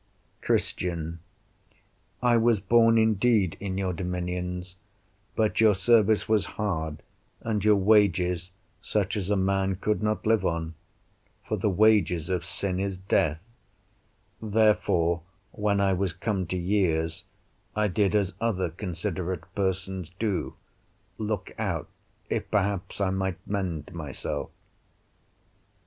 Christian I was born indeed in your dominions, but your service was hard, and your wages such as a man could not live on, "for the wages of sin is death;" therefore when I was come to years, I did as other considerate persons do look out, if perhaps I might mend myself.